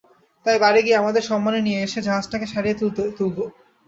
তাই বাড়ি গিয়ে আমাদের সম্মানী নিয়ে এসে, জাহাজটাকে সারিয়ে তুলবো।